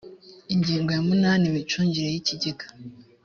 ingingo ya munani imicungire y ikigega